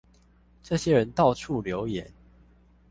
這些人到處留言